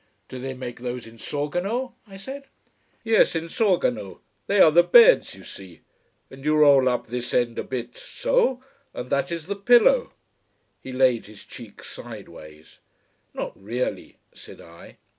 "Do they make those in Sorgono?" I said. "Yes, in Sorgono they are the beds, you see! And you roll up this end a bit so! and that is the pillow." He laid his cheek sideways. "Not really," said I.